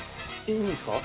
いいんですか。